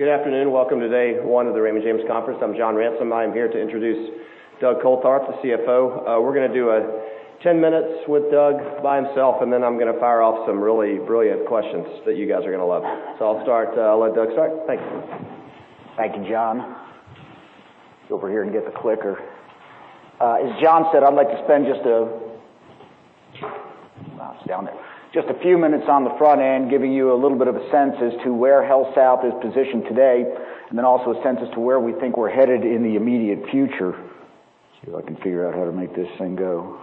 Good afternoon. Welcome to day one of the Raymond James Conference. I'm John Ransom. I am here to introduce Douglas Coltharp, the CFO. We're going to do 10 minutes with Doug by himself, and then I'm going to fire off some really brilliant questions that you guys are going to love. I'll let Doug start. Thanks. Thank you, John. Let's go over here and get the clicker. As John said, I'd like to spend just a few minutes on the front end, giving you a little bit of a sense as to where HealthSouth is positioned today, and then also a sense as to where we think we're headed in the immediate future. See if I can figure out how to make this thing go.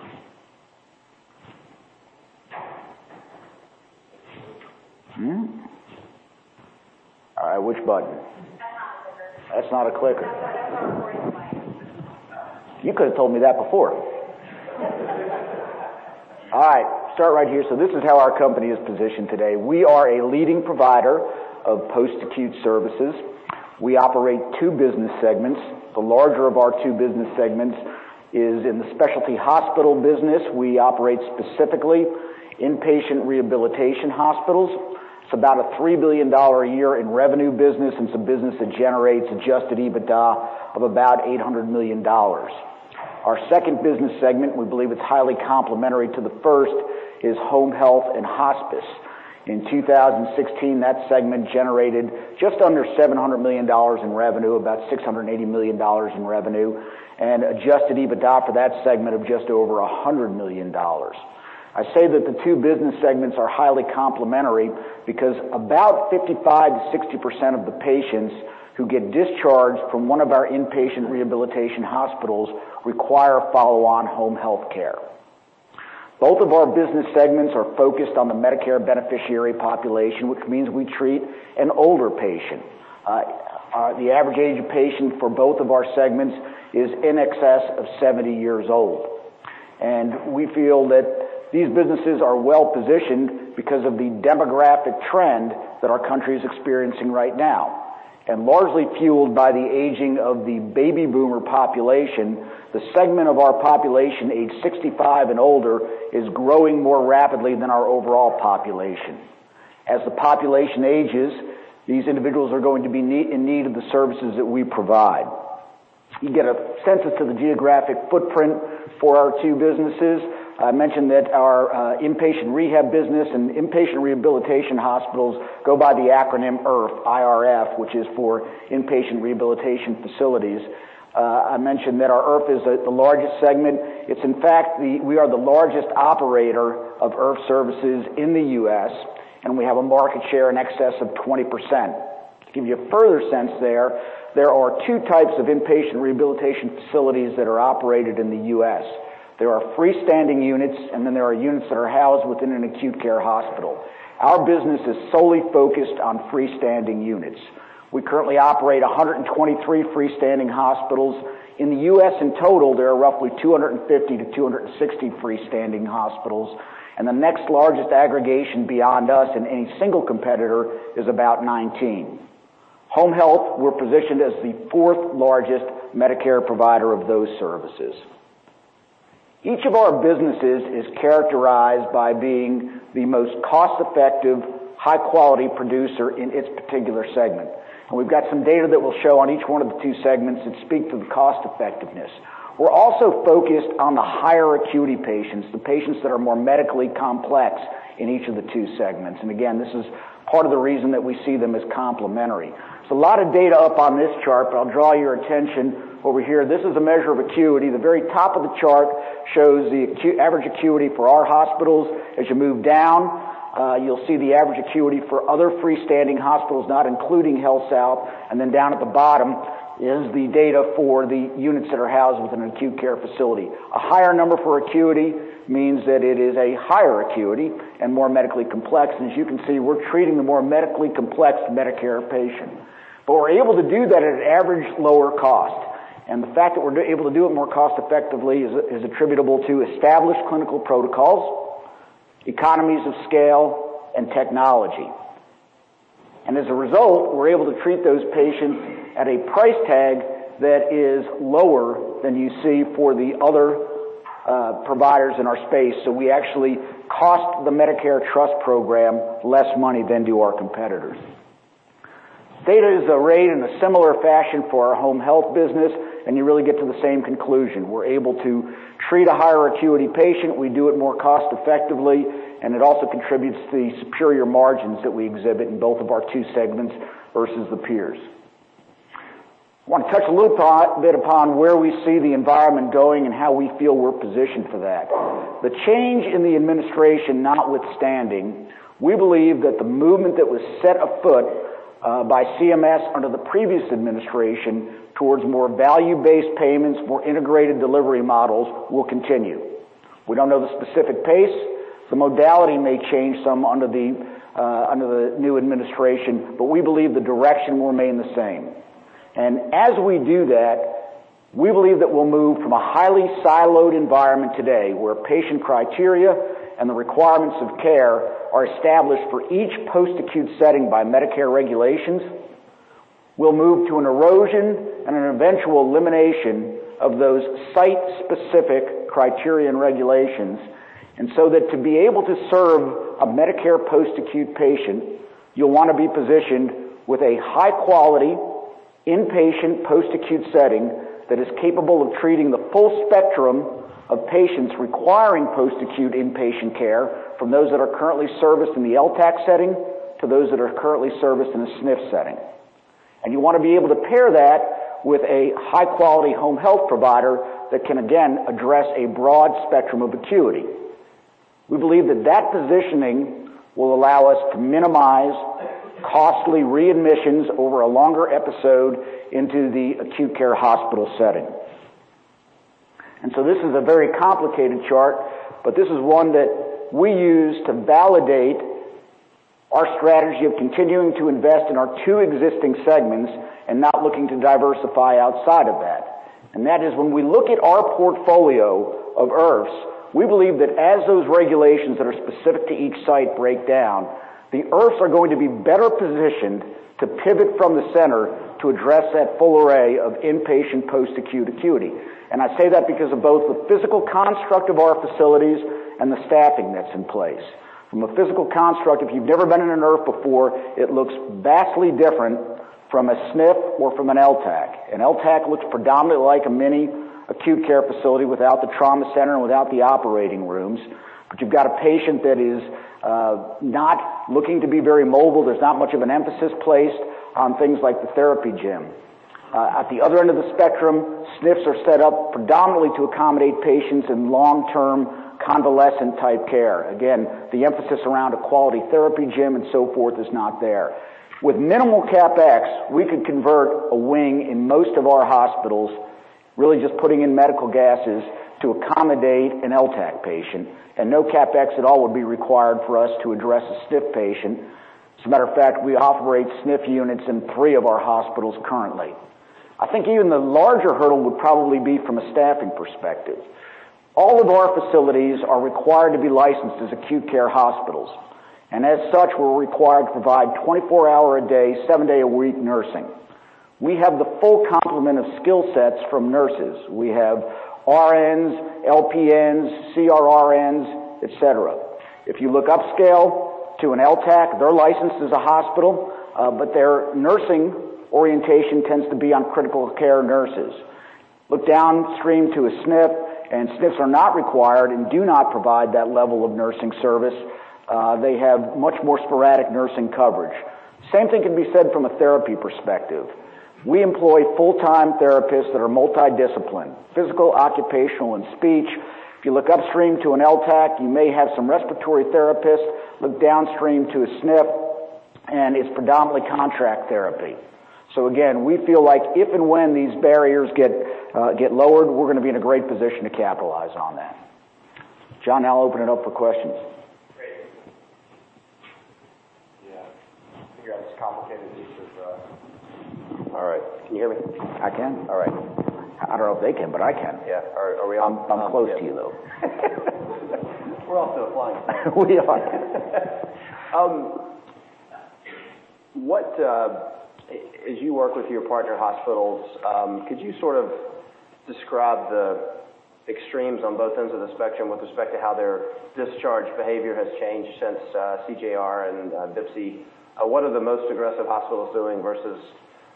All right, which button? That's not a clicker. That's not a clicker. That's a recording button. You could have told me that before. All right. Start right here. This is how our company is positioned today. We are a leading provider of post-acute services. We operate two business segments. The larger of our two business segments is in the specialty hospital business. We operate specifically inpatient rehabilitation hospitals. It's about a $3 billion a year in revenue business, and it's a business that generates adjusted EBITDA of about $800 million. Our second business segment, we believe it's highly complementary to the first, is home health and hospice. In 2016, that segment generated just under $700 million in revenue, about $680 million in revenue, and adjusted EBITDA for that segment of just over $100 million. I say that the two business segments are highly complementary because about 55%-60% of the patients who get discharged from one of our inpatient rehabilitation hospitals require follow-on home health care. Both of our business segments are focused on the Medicare beneficiary population, which means we treat an older patient. The average age of patient for both of our segments is in excess of 70 years old. We feel that these businesses are well-positioned because of the demographic trend that our country is experiencing right now. Largely fueled by the aging of the baby boomer population, the segment of our population aged 65 and older is growing more rapidly than our overall population. As the population ages, these individuals are going to be in need of the services that we provide. You get a sense of the geographic footprint for our two businesses. I mentioned that our inpatient rehab business and inpatient rehabilitation hospitals go by the acronym IRF, I-R-F, which is for Inpatient Rehabilitation Facilities. I mentioned that our IRF is the largest segment. In fact, we are the largest operator of IRF services in the U.S., and we have a market share in excess of 20%. To give you a further sense, there are 2 types of Inpatient Rehabilitation Facilities that are operated in the U.S. There are freestanding units. Then there are units that are housed within an acute care hospital. Our business is solely focused on freestanding units. We currently operate 123 freestanding hospitals. In the U.S. in total, there are roughly 250 to 260 freestanding hospitals. The next largest aggregation beyond us and any single competitor is about 19. Home health, we're positioned as the fourth-largest Medicare provider of those services. Each of our businesses is characterized by being the most cost-effective, high-quality producer in its particular segment. We've got some data that we'll show on each one of the 2 segments that speak to the cost-effectiveness. We're also focused on the higher acuity patients, the patients that are more medically complex in each of the 2 segments. Again, this is part of the reason that we see them as complementary. There's a lot of data up on this chart, I'll draw your attention over here. This is a measure of acuity. The very top of the chart shows the average acuity for our hospitals. As you move down, you'll see the average acuity for other freestanding hospitals, not including HealthSouth. Then down at the bottom is the data for the units that are housed within an acute care facility. A higher number for acuity means that it is a higher acuity and more medically complex. As you can see, we're treating the more medically complex Medicare patient. We're able to do that at an average lower cost. The fact that we're able to do it more cost-effectively is attributable to established clinical protocols, economies of scale, and technology. As a result, we're able to treat those patients at a price tag that is lower than you see for the other providers in our space. We actually cost the Medicare trust program less money than do our competitors. Data is arrayed in a similar fashion for our home health business, you really get to the same conclusion. We're able to treat a higher acuity patient. We do it more cost-effectively, it also contributes to the superior margins that we exhibit in both of our 2 segments versus the peers. I want to touch a little bit upon where we see the environment going and how we feel we're positioned for that. The change in the administration notwithstanding, we believe that the movement that was set afoot by CMS under the previous administration towards more value-based payments, more integrated delivery models will continue. We don't know the specific pace. The modality may change some under the new administration, we believe the direction will remain the same. As we do that, we believe that we'll move from a highly siloed environment today where patient criteria and the requirements of care are established for each post-acute setting by Medicare regulations. We'll move to an erosion and an eventual elimination of those site-specific criterion regulations. To be able to serve a Medicare post-acute patient, you'll want to be positioned with a high-quality inpatient post-acute setting that is capable of treating the full spectrum of patients requiring post-acute inpatient care, from those that are currently serviced in the LTCH setting to those that are currently serviced in a SNF setting. You want to be able to pair that with a high-quality home health provider that can, again, address a broad spectrum of acuity. We believe that positioning will allow us to minimize costly readmissions over a longer episode into the acute care hospital setting. This is a very complicated chart, but this is one that we use to validate our strategy of continuing to invest in our two existing segments and not looking to diversify outside of that. That is when we look at our portfolio of IRFs, we believe that as those regulations that are specific to each site break down, the IRFs are going to be better positioned to pivot from the center to address that full array of inpatient post-acute acuity. I say that because of both the physical construct of our facilities and the staffing that's in place. From a physical construct, if you've never been in an IRF before, it looks vastly different from a SNF or from an LTCH. An LTCH looks predominantly like a mini acute care facility without the trauma center and without the operating rooms. You've got a patient that is not looking to be very mobile. There's not much of an emphasis placed on things like the therapy gym. At the other end of the spectrum, SNFs are set up predominantly to accommodate patients in long-term convalescent type care. Again, the emphasis around a quality therapy gym and so forth is not there. With minimal CapEx, we could convert a wing in most of our hospitals, really just putting in medical gases to accommodate an LTCH patient. No CapEx at all would be required for us to address a SNF patient. As a matter of fact, we operate SNF units in three of our hospitals currently. I think even the larger hurdle would probably be from a staffing perspective. All of our facilities are required to be licensed as acute care hospitals. As such, we're required to provide 24 hour a day, seven day a week nursing. We have the full complement of skill sets from nurses. We have RNs, LPNs, CRRNs, et cetera. If you look upscale to an LTCH, they're licensed as a hospital, their nursing orientation tends to be on critical care nurses. Look downstream to a SNF, SNFs are not required and do not provide that level of nursing service. They have much more sporadic nursing coverage. Same thing can be said from a therapy perspective. We employ full-time therapists that are multi-disciplined, physical, occupational, and speech. If you look upstream to an LTCH, you may have some respiratory therapists. Look downstream to a SNF, it's predominantly contract therapy. Again, we feel like if and when these barriers get lowered, we're going to be in a great position to capitalize on that. John, I'll open it up for questions. Great. Yeah. All right. Can you hear me? I can. All right. I don't know if they can, but I can. Yeah. Are we on? I'm close to you, though. We're also flying. We are. As you work with your partner hospitals, could you sort of describe the extremes on both ends of the spectrum with respect to how their discharge behavior has changed since CJR and BPCI? What are the most aggressive hospitals doing versus,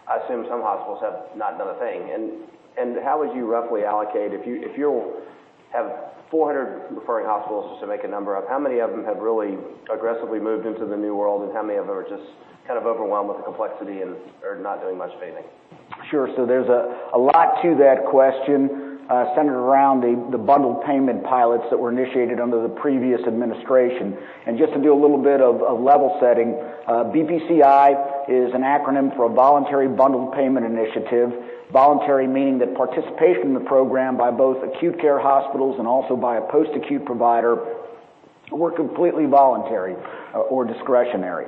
I assume some hospitals have not done a thing. How would you roughly allocate, if you have 400 referring hospitals, just to make a number up, how many of them have really aggressively moved into the new world, and how many of them are just kind of overwhelmed with the complexity and are not doing much of anything? Sure. There's a lot to that question centered around the bundled payment pilots that were initiated under the previous administration. Just to do a little bit of level setting, BPCI is an acronym for a voluntary bundled payment initiative. Voluntary meaning that participation in the program by both acute care hospitals and also by a post-acute provider were completely voluntary or discretionary.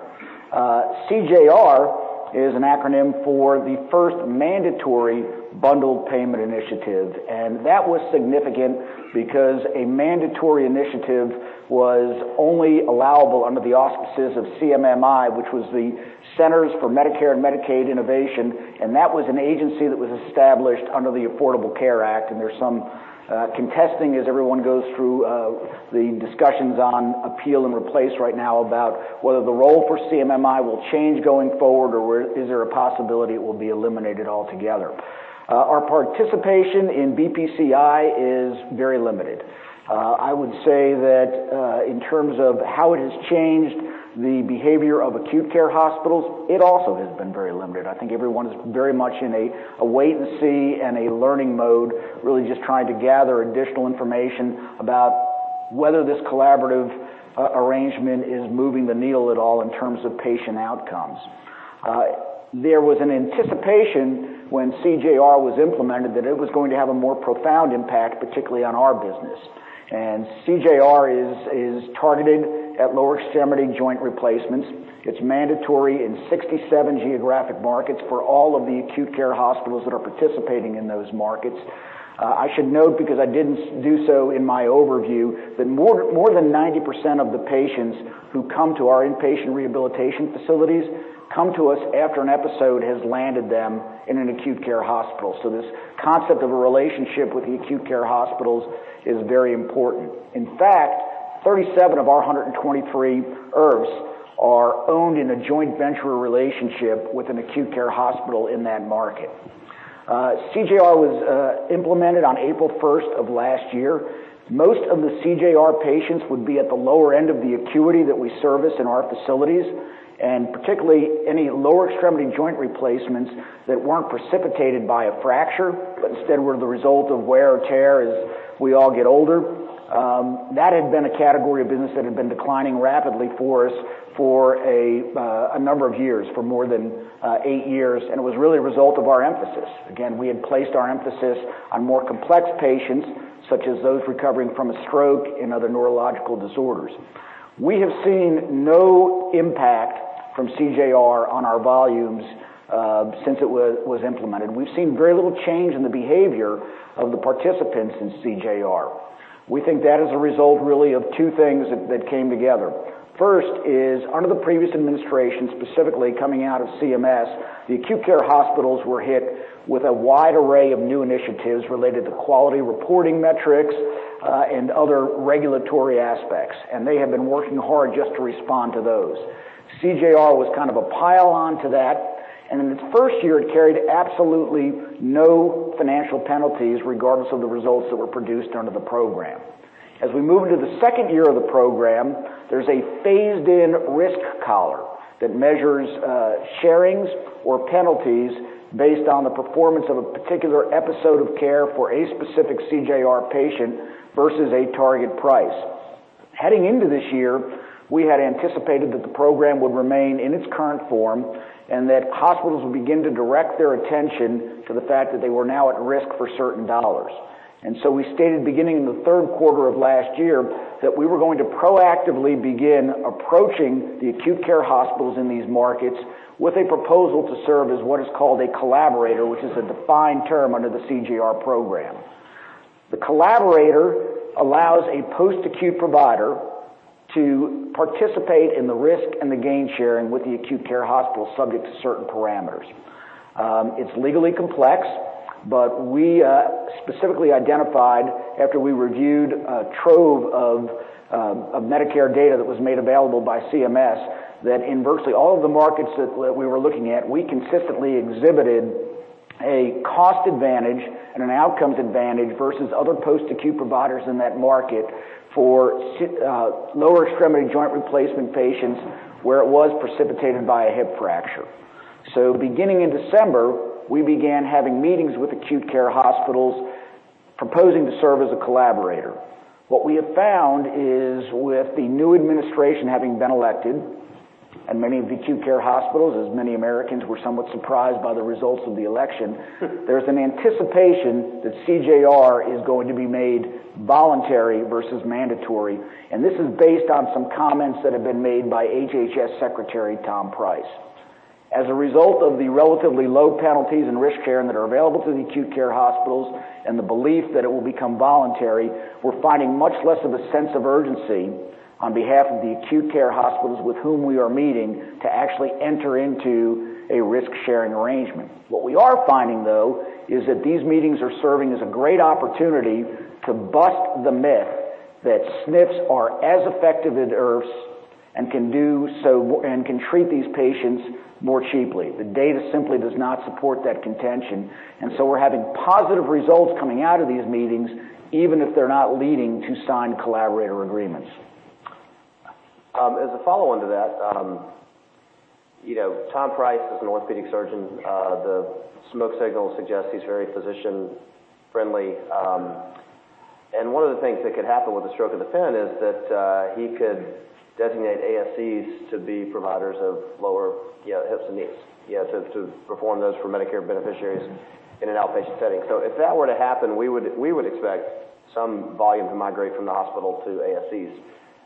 CJR is an acronym for the first mandatory bundled payment initiative, and that was significant because a mandatory initiative was only allowable under the auspices of CMMI, which was the Center for Medicare and Medicaid Innovation. That was an agency that was established under the Affordable Care Act, and there's some contesting as everyone goes through the discussions on appeal and replace right now about whether the role for CMMI will change going forward, or is there a possibility it will be eliminated altogether. Our participation in BPCI is very limited. I would say that in terms of how it has changed the behavior of acute care hospitals, it also has been very limited. I think everyone is very much in a wait and see and a learning mode, really just trying to gather additional information about whether this collaborative arrangement is moving the needle at all in terms of patient outcomes. There was an anticipation when CJR was implemented that it was going to have a more profound impact, particularly on our business. CJR is targeted at lower extremity joint replacements. It's mandatory in 67 geographic markets for all of the acute care hospitals that are participating in those markets. I should note because I didn't do so in my overview, that more than 90% of the patients who come to our Inpatient Rehabilitation Facilities come to us after an episode has landed them in an acute care hospital. This concept of a relationship with the acute care hospitals is very important. In fact, 37 of our 123 IRFs are owned in a joint venture relationship with an acute care hospital in that market. CJR was implemented on April 1st of last year. Most of the CJR patients would be at the lower end of the acuity that we service in our facilities, and particularly any lower extremity joint replacements that weren't precipitated by a fracture, but instead were the result of wear and tear as we all get older. That had been a category of business that had been declining rapidly for us for a number of years, for more than eight years, and it was really a result of our emphasis. Again, we had placed our emphasis on more complex patients, such as those recovering from a stroke and other neurological disorders. We have seen no impact from CJR on our volumes since it was implemented. We've seen very little change in the behavior of the participants in CJR. We think that is a result really of two things that came together. First is under the previous administration, specifically coming out of CMS, the acute care hospitals were hit with a wide array of new initiatives related to quality reporting metrics and other regulatory aspects, and they have been working hard just to respond to those. CJR was kind of a pile-on to that, and in its first year, it carried absolutely no financial penalties regardless of the results that were produced under the program. As we move into the second year of the program, there's a phased-in risk collar that measures sharing or penalties based on the performance of a particular episode of care for a specific CJR patient versus a target price. Heading into this year, we had anticipated that the program would remain in its current form and that hospitals would begin to direct their attention to the fact that they were now at risk for certain dollars. We stated, beginning in the third quarter of last year, that we were going to proactively begin approaching the acute care hospitals in these markets with a proposal to serve as what is called a collaborator, which is a defined term under the CJR program. The collaborator allows a post-acute provider to participate in the risk and the gain sharing with the acute care hospital subject to certain parameters. It's legally complex, but we specifically identified after we reviewed a trove of Medicare data that was made available by CMS that inversely all of the markets that we were looking at, we consistently exhibited a cost advantage and an outcomes advantage versus other post-acute providers in that market for lower extremity joint replacement patients where it was precipitated by a hip fracture. Beginning in December, we began having meetings with acute care hospitals proposing to serve as a collaborator. What we have found is with the new administration having been elected and many of the acute care hospitals, as many Americans were somewhat surprised by the results of the election- there's an anticipation that CJR is going to be made voluntary versus mandatory, and this is based on some comments that have been made by HHS Secretary Tom Price. As a result of the relatively low penalties and risk sharing that are available to the acute care hospitals and the belief that it will become voluntary, we're finding much less of a sense of urgency on behalf of the acute care hospitals with whom we are meeting to actually enter into a risk-sharing arrangement. What we are finding though, is that these meetings are serving as a great opportunity to bust the myth that SNFs are as effective as IRFs and can treat these patients more cheaply. The data simply does not support that contention. We're having positive results coming out of these meetings, even if they're not leading to signed collaborator agreements. As a follow-on to that, Tom Price is an orthopedic surgeon. The smoke signal suggests he's very physician-friendly. One of the things that could happen with the stroke of the pen is that he could designate ASCs to be providers of lower hips and knees to perform those for Medicare beneficiaries in an outpatient setting. If that were to happen, we would expect some volume to migrate from the hospital to ASCs.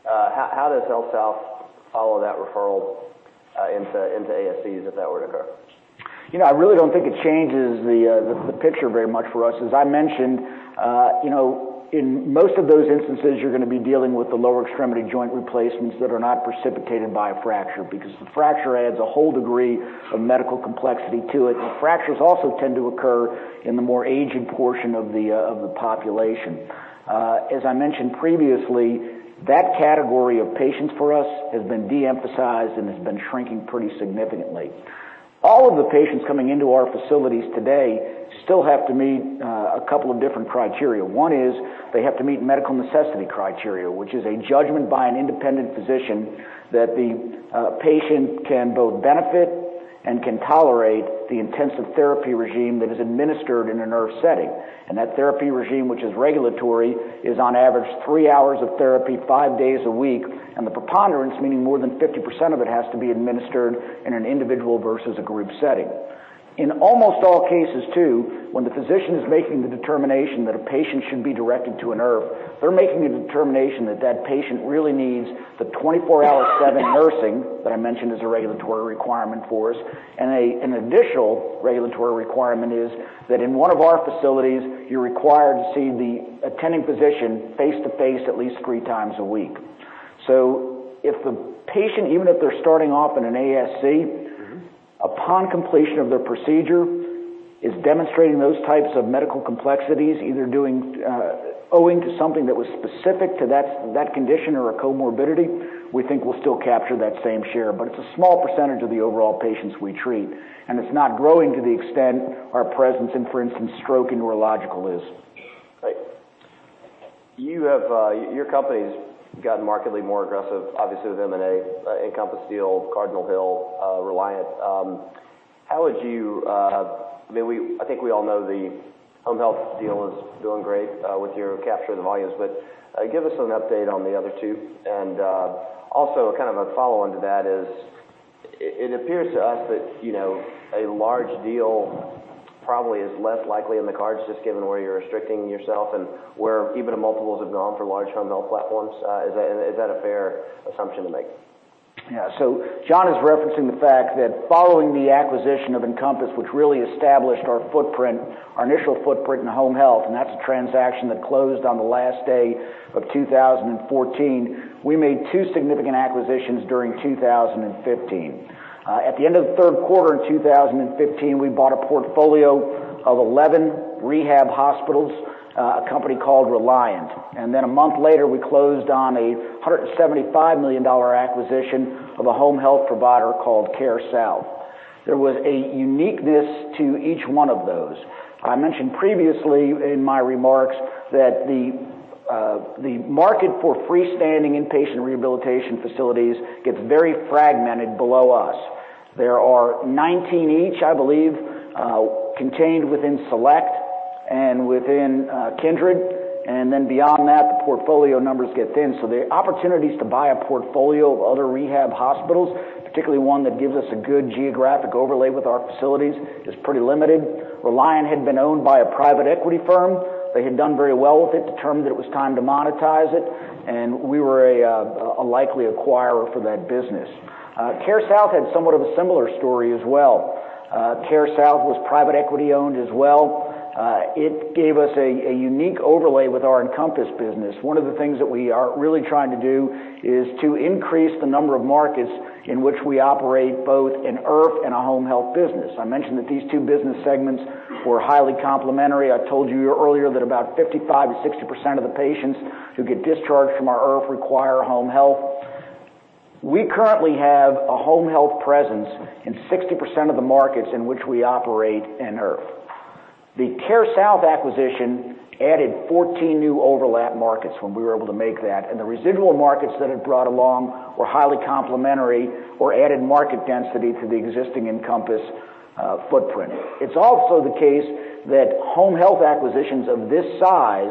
How does HealthSouth follow that referral into ASCs if that were to occur? I really don't think it changes the picture very much for us. As I mentioned, in most of those instances, you're going to be dealing with the lower extremity joint replacements that are not precipitated by a fracture because the fracture adds a whole degree of medical complexity to it. Fractures also tend to occur in the more aging portion of the population. As I mentioned previously, that category of patients for us has been de-emphasized and has been shrinking pretty significantly. All of the patients coming into our facilities today still have to meet a couple of different criteria. One is they have to meet medical necessity criteria, which is a judgment by an independent physician that the patient can both benefit and can tolerate the intensive therapy regime that is administered in an IRF setting. That therapy regime, which is regulatory, is on average three hours of therapy five days a week, and the preponderance, meaning more than 50% of it has to be administered in an individual versus a group setting. In almost all cases too, when the physician is making the determination that a patient should be directed to an IRF, they're making the determination that that patient really needs the 24/7 nursing that I mentioned is a regulatory requirement for us and an additional regulatory requirement is that in one of our facilities, you're required to see the attending physician face-to-face at least three times a week. if the patient, even if they're starting off in an ASC. Upon completion of their procedure, is demonstrating those types of medical complexities, either owing to something that was specific to that condition or a comorbidity, we think we'll still capture that same share. It's a small percentage of the overall patients we treat, and it's not growing to the extent our presence in, for instance, stroke and neurological is. Great. Your company's gotten markedly more aggressive, obviously, with M&A, Encompass deal, Cardinal Hill, Reliant. I think we all know the home health deal is doing great with your capture of the volumes, give us an update on the other two, and also kind of a follow-on to that is it appears to us that a large deal probably is less likely in the cards, just given where you're restricting yourself and where even the multiples have gone for large home health platforms. Is that a fair assumption to make? Yeah. John is referencing the fact that following the acquisition of Encompass, which really established our initial footprint in home health, and that's a transaction that closed on the last day of 2014. We made two significant acquisitions during 2015. At the end of the third quarter in 2015, we bought a portfolio of 11 rehab hospitals, a company called Reliant. A month later, we closed on a $175 million acquisition of a home health provider called CareSouth. There was a uniqueness to each one of those. I mentioned previously in my remarks that the market for freestanding Inpatient Rehabilitation Facilities gets very fragmented below us. There are 19 each, I believe, contained within Select and within Kindred, and then beyond that, the portfolio numbers get thin. The opportunities to buy a portfolio of other rehab hospitals, particularly one that gives us a good geographic overlay with our facilities, is pretty limited. Reliant had been owned by a private equity firm. They had done very well with it, determined that it was time to monetize it, and we were a likely acquirer for that business. CareSouth had somewhat of a similar story as well. CareSouth was private equity owned as well. It gave us a unique overlay with our Encompass business. One of the things that we are really trying to do is to increase the number of markets in which we operate both an IRF and a home health business. I mentioned that these two business segments were highly complementary. I told you earlier that about 55%-60% of the patients who get discharged from our IRF require home health. We currently have a home health presence in 60% of the markets in which we operate in IRF. The CareSouth acquisition added 14 new overlap markets when we were able to make that, and the residual markets that it brought along were highly complementary or added market density to the existing Encompass footprint. It's also the case that home health acquisitions of this size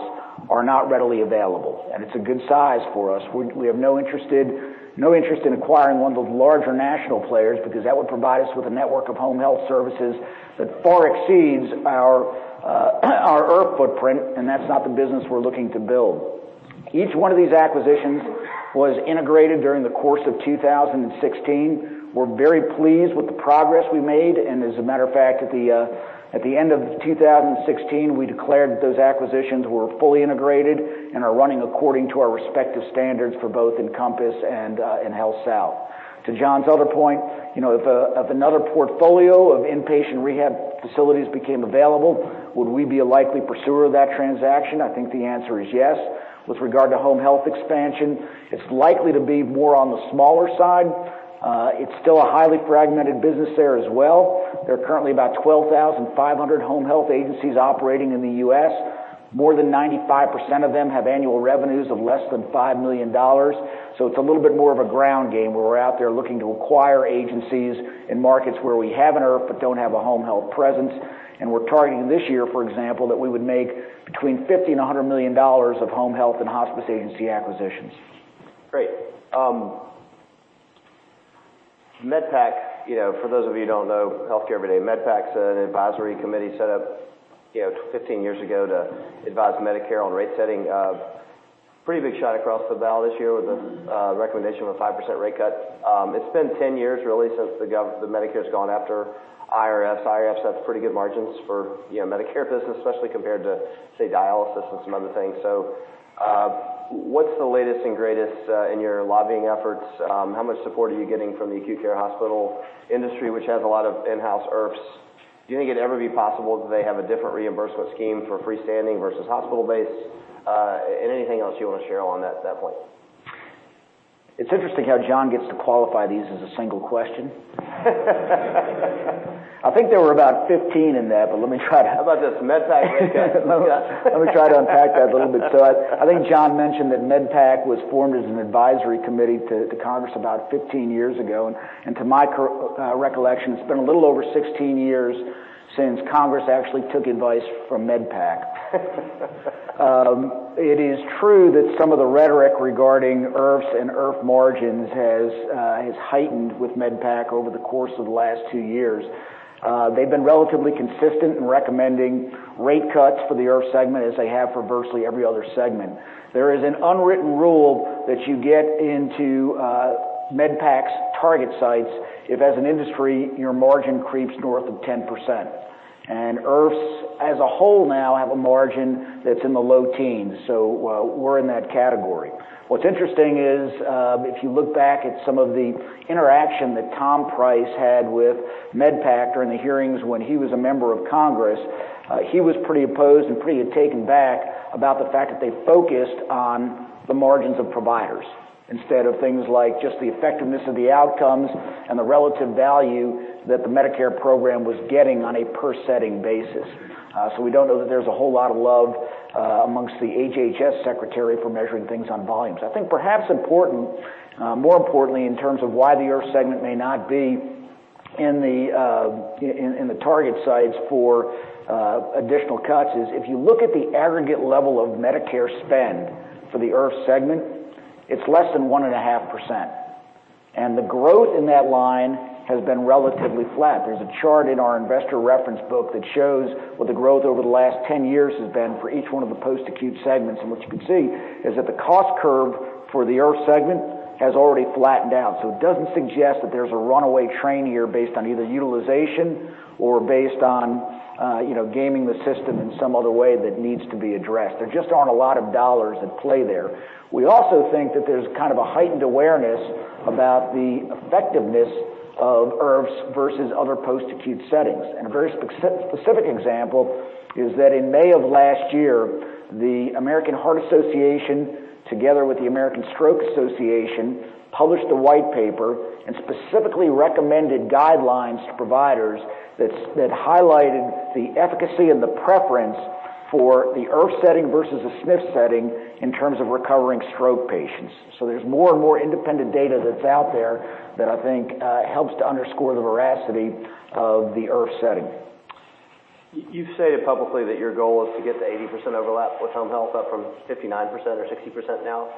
are not readily available, and it's a good size for us. We have no interest in acquiring one of those larger national players because that would provide us with a network of home health services that far exceeds our IRF footprint, and that's not the business we're looking to build. Each one of these acquisitions was integrated during the course of 2016. We're very pleased with the progress we made, and as a matter of fact, at the end of 2016, we declared that those acquisitions were fully integrated and are running according to our respective standards for both Encompass and HealthSouth. To John's other point, if another portfolio of inpatient rehab facilities became available, would we be a likely pursuer of that transaction? I think the answer is yes. With regard to home health expansion, it's likely to be more on the smaller side. It's still a highly fragmented business there as well. There are currently about 12,500 home health agencies operating in the U.S. More than 95% of them have annual revenues of less than $5 million. It's a little bit more of a ground game where we're out there looking to acquire agencies in markets where we have an IRF, but don't have a home health presence. We're targeting this year, for example, that we would make between $50 million and $100 million of home health and hospice agency acquisitions. Great. MedPAC, for those of you who don't know healthcare every day, MedPAC's an advisory committee set up 15 years ago to advise Medicare on rate setting. Pretty big shot across the bow this year with a recommendation of a 5% rate cut. It's been 10 years really since the Medicare's gone after IRFs. IRFs have pretty good margins for Medicare business, especially compared to, say, dialysis and some other things. What's the latest and greatest in your lobbying efforts? How much support are you getting from the acute care hospital industry, which has a lot of in-house IRFs? Do you think it'd ever be possible that they have a different reimbursement scheme for freestanding versus hospital-based? Anything else you want to share on that point? It's interesting how John gets to qualify these as a single question. I think there were about 15 in that. Let me try to- How about just MedPAC rate cuts? Yeah. Let me try to unpack that a little bit. I think John mentioned that MedPAC was formed as an advisory committee to Congress about 15 years ago, and to my recollection, it's been a little over 16 years since Congress actually took advice from MedPAC. It is true that some of the rhetoric regarding IRFs and IRF margins has heightened with MedPAC over the course of the last two years. They've been relatively consistent in recommending rate cuts for the IRF segment as they have for virtually every other segment. There is an unwritten rule that you get into MedPAC's target sites if, as an industry, your margin creeps north of 10%. IRFs as a whole now have a margin that's in the low teens. We're in that category. What's interesting is, if you look back at some of the interaction that Tom Price had with MedPAC during the hearings when he was a member of Congress, he was pretty opposed and pretty taken back about the fact that they focused on the margins of providers. Instead of things like just the effectiveness of the outcomes and the relative value that the Medicare program was getting on a per setting basis. We don't know that there's a whole lot of love amongst the HHS secretary for measuring things on volumes. I think perhaps important, more importantly, in terms of why the IRF segment may not be in the target sights for additional cuts is if you look at the aggregate level of Medicare spend for the IRF segment, it's less than 1.5%, and the growth in that line has been relatively flat. There's a chart in our investor reference book that shows what the growth over the last 10 years has been for each one of the post-acute segments. What you can see is that the cost curve for the IRF segment has already flattened out. It doesn't suggest that there's a runaway train here based on either utilization or based on gaming the system in some other way that needs to be addressed. There just aren't a lot of dollars at play there. We also think that there's kind of a heightened awareness about the effectiveness of IRFs versus other post-acute settings. A very specific example is that in May of last year, the American Heart Association, together with the American Stroke Association, published a white paper and specifically recommended guidelines to providers that highlighted the efficacy and the preference for the IRF setting versus a SNF setting in terms of recovering stroke patients. There's more and more independent data that's out there that I think helps to underscore the veracity of the IRF setting. You stated publicly that your goal is to get to 80% overlap with home health up from 59% or 60% now.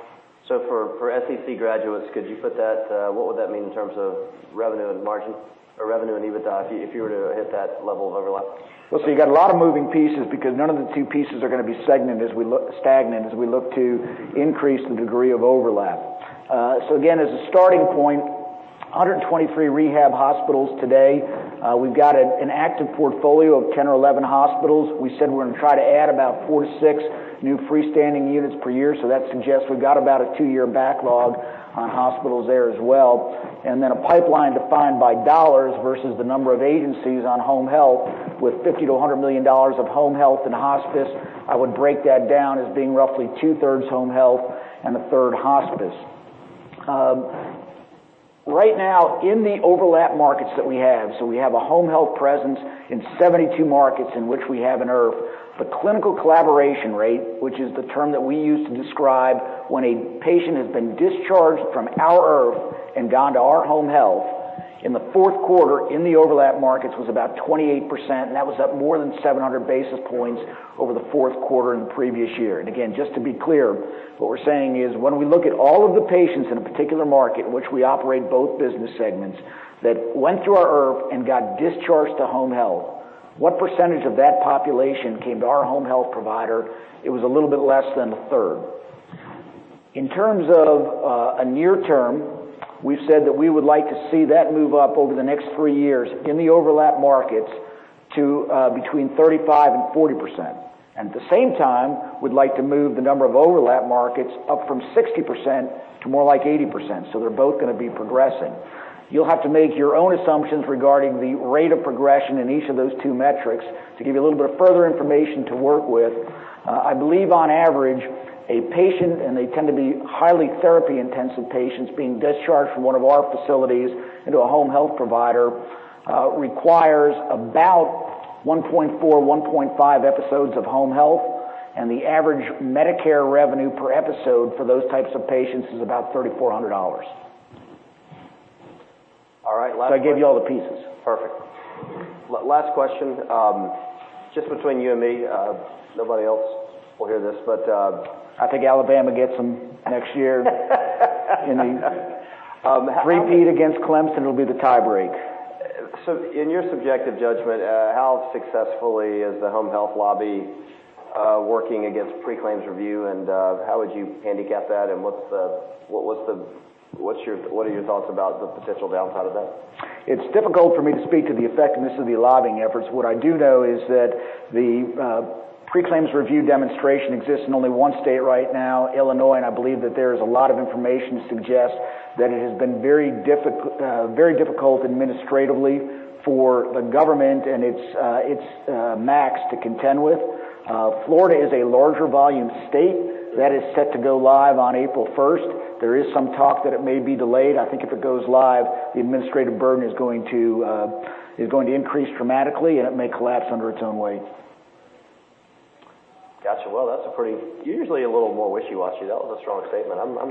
For SEC graduates, could you put that, what would that mean in terms of revenue and margin or revenue and EBITDA if you were to hit that level of overlap? You got a lot of moving pieces because none of the two pieces are going to be stagnant as we look to increase the degree of overlap. Again, as a starting point, 123 rehab hospitals today. We've got an active portfolio of 10 or 11 hospitals. We said we're going to try to add about 4 to 6 new freestanding units per year. That suggests we've got about a two-year backlog on hospitals there as well. Then a pipeline defined by dollars versus the number of agencies on home health with $50 million to $100 million of home health and hospice. I would break that down as being roughly two-thirds home health and a third hospice. Right now in the overlap markets that we have, we have a home health presence in 72 markets in which we have an IRF. The clinical collaboration rate, which is the term that we use to describe when a patient has been discharged from our IRF and gone to our home health in the fourth quarter in the overlap markets was about 28%, that was up more than 700 basis points over the fourth quarter in the previous year. Again, just to be clear, what we're saying is when we look at all of the patients in a particular market in which we operate both business segments that went through our IRF and got discharged to home health, what percentage of that population came to our home health provider? It was a little bit less than a third. In terms of a near term, we've said that we would like to see that move up over the next three years in the overlap markets to between 35% and 40%. At the same time, we'd like to move the number of overlap markets up from 60% to more like 80%. They're both going to be progressing. You'll have to make your own assumptions regarding the rate of progression in each of those two metrics to give you a little bit of further information to work with. I believe on average, a patient, and they tend to be highly therapy-intensive patients being discharged from one of our facilities into a home health provider requires about 1.4, 1.5 episodes of home health, and the average Medicare revenue per episode for those types of patients is about $3,400. All right. I gave you all the pieces. Perfect. Last question. Just between you and me, nobody else will hear this. I think Alabama gets them next year. Three-peat against Clemson will be the tie break. In your subjective judgment, how successfully is the home health lobby working against pre-claim review, and how would you handicap that and what are your thoughts about the potential downside of that? It's difficult for me to speak to the effectiveness of the lobbying efforts. What I do know is that the pre-claim review demonstration exists in only one state right now, Illinois, and I believe that there is a lot of information to suggest that it has been very difficult administratively for the government and its MACs to contend with. Florida is a larger volume state that is set to go live on April 1st. There is some talk that it may be delayed. I think if it goes live, the administrative burden is going to increase dramatically, and it may collapse under its own weight. Got you. Well, that's a pretty Usually a little more wishy-washy. That was a strong statement. I'm.